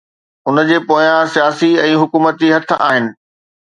ان جي پويان سياسي ۽ حڪومتي هٿ آهن